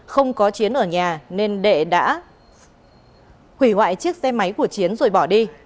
không có chiến ở nhà nên đệ đã hủy hoại chiếc xe máy của chiến rồi bỏ đi